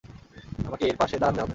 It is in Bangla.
আমাকে এর পাশে দাঁড়াতে হবে।